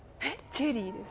「チェリー」です。